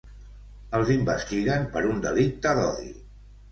Els investiguen per un delicte d’odi.